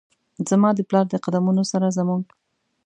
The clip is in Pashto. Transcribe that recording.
زما د پلار د قد مونو سره زموږ،